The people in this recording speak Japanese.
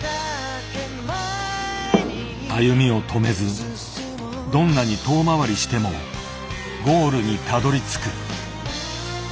歩みを止めずどんなに遠回りしてもゴールにたどりつく。